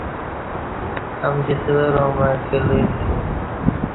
امکی سوراں مع کلہ اسی